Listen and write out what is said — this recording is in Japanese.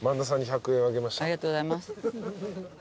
ありがとうございます。